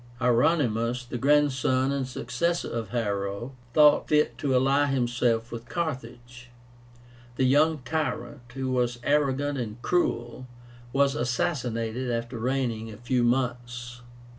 Hieronymus, the grandson and successor of Hiero, thought fit to ally himself with Carthage. The young tyrant, who was arrogant and cruel, was assassinated after reigning a few months.